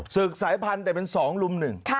ศึกสายพันธุ์แต่เป็น๒ลุมหนึ่ง